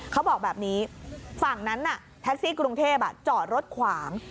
เขาบอกแบบนี้ฝั่งนั้นน่ะแท็กซี่กรุงเทพจอดรถขวาง